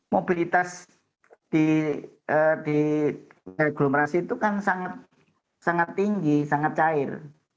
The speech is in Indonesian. mobilitas di reglomerasi itu kan sangat tinggi sangat cair